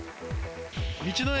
道の駅